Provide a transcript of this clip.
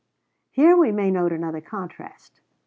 Here we may note another contrast.